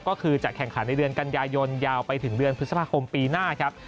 ก็คือจะแข่งขันในเดือนกันยายนยาวไปถึงเดือนพฤษภาคมปีหน้าครับ